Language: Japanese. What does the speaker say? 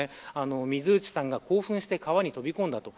水内さんが興奮して川に飛び込んだと。